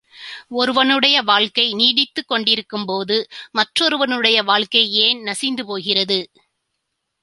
ஒருவனுடைய வாழ்க்கை நீடித்துக்கொண்டிருக்கும்போது, மற்றொருவனுடைய வாழ்க்கை ஏன் நசித்துப் போகிறது?